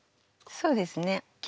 そうですね。